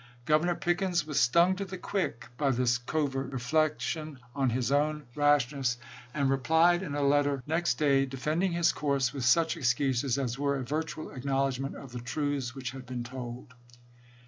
Governor Pickens was stung to the quick by this covert reflection on his own rashness, and replied in a letter next day, defend ing his course with such excuses as were a virtual acknowledgment of the truths which had been told.